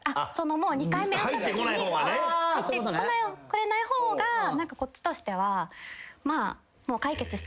２回目会ったときに聞いてくれない方がこっちとしてはまあ。